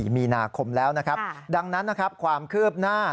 มีนาคมแล้วนะครับดังนั้นนะครับความคืบหน้า